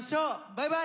バイバーイ！